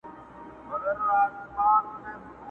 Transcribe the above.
بې غاښو خوله به یې وازه وه نیولې،